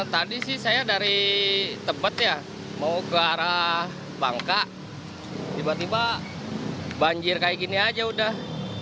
tadi sih saya dari tebet ya mau ke arah bangka tiba tiba banjir kayak gini aja udah